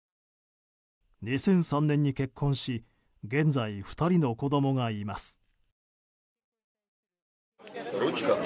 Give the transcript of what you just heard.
２００３年に結婚し現在、２人の子供がいます。